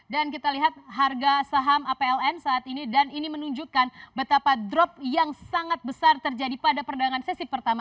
dan kita lihat harga saham apln saat ini dan ini menunjukkan betapa drop yang sangat besar terjadi pada perdagangan sesi pertama